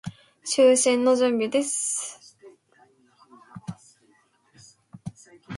就寝の準備です。